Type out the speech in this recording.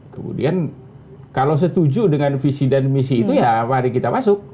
kemudian kalau setuju dengan visi dan misi itu ya mari kita masuk